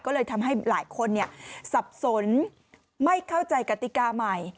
ก็เลยทำให้หลายคนสับสนไม่เข้าใจกติกาใหม่